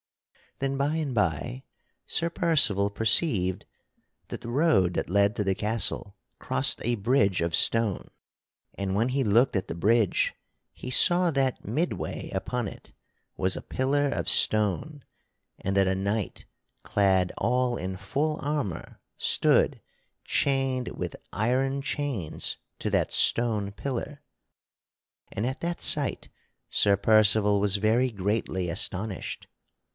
Then, by and by Sir Percival perceived that the road that led to the castle crossed a bridge of stone, and when he looked at the bridge he saw that midway upon it was a pillar of stone and that a knight clad all in full armor stood chained with iron chains to that stone pillar, and at that sight Sir Percival was very greatly astonished.